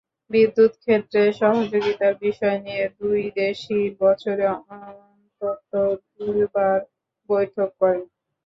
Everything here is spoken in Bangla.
বিদ্যুৎ ক্ষেত্রে সহযোগিতার বিষয় নিয়ে দুই দেশই বছরে অন্তত দুবার বৈঠক করে।